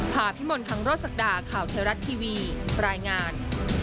ผ่าพิมพ์ของขังรสสักด่าข่าวเทรัตน์ทีวีปรายงาน